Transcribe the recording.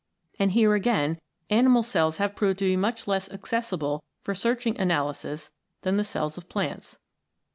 And here again animal cells have proved to be much less accessible for searching analysis than the cells of plants.